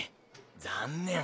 残念。